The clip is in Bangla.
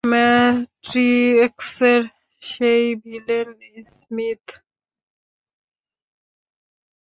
ম্যাট্রিক্সের সেই ভিলেন স্মিথ?